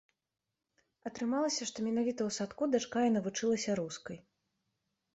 Атрымалася, што менавіта ў садку дачка і навучылася рускай.